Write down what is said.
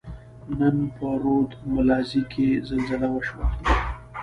نن په رود ملازۍ کښي زلزله وشوه.